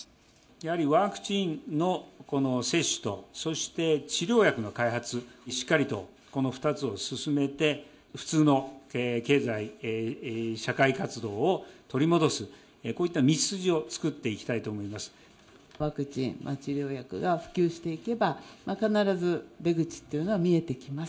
やはりワクチンの接種と、そして治療薬の開発、しっかりとこの２つを進めて、普通の経済社会活動を取り戻すこういった道筋を作っていきたいとワクチン、治療薬が普及していけば、必ず出口っていうのは見えてきます。